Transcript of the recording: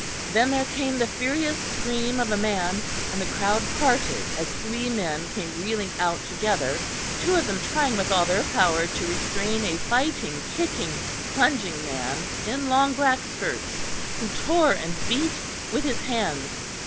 Then there came the furious scream of a man, and the crowd parted, as three men came reeling out together, two of them trying with all their power to restrain a fighting, kicking, plunging man in long black skirts, who tore and beat with his hands.